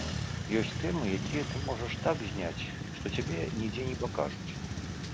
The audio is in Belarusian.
Ёсць тэмы, якія ты можаш так зняць, што цябе нідзе не пакажуць.